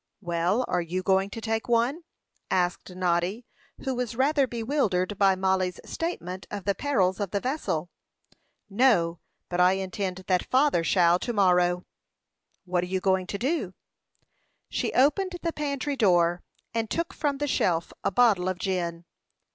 "Well, are you going to take one?" asked Noddy, who was rather bewildered by Mollie's statement of the perils of the vessel. "No; but I intend that father shall to morrow." "What are you going to do?" She opened the pantry door, and took from the shelf a bottle of gin.